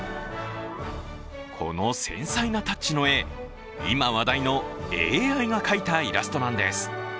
この繊細なタッチの絵、今話題のＡＩが描いたイラストなんです。